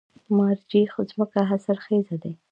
مارجې ځمکې حاصلخیزه دي؟